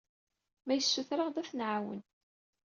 Ma yessuter-aɣ-d, ad t-nɛawen.